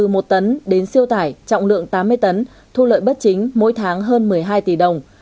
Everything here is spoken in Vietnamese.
một tấn đến siêu tải trọng lượng tám mươi tấn thu lợi bất chính mỗi tháng hơn một mươi hai tỷ đồng